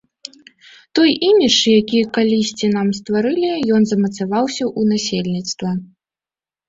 Той імідж, які калісьці нам стварылі, ён замацаваўся ў насельніцтва.